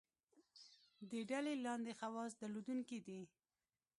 دې ډلې لاندې خواص درلودونکي دي.